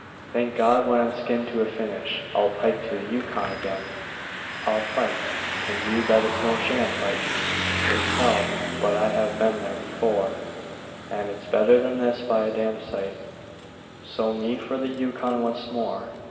Thank God! when I'm skinned to a finish I'll pike to the Yukon again. I'll fight and you bet it's no sham fight; It's hell! but I've been there before; And it's better than this by a damsite So me for the Yukon once more.